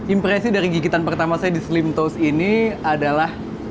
impresi dari gigitan pertama saya di slim toas ini adalah